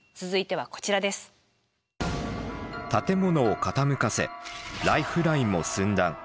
建物を傾かせライフラインも寸断。